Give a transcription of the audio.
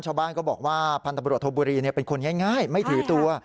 ชาวบ้านก็บอกว่าพันธบรวจโทบุรีเป็นคนง่ายไม่ถือตัว